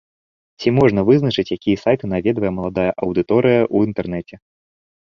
Ці можна вызначыць, якія сайты наведвае маладая аўдыторыя ў інтэрнэце?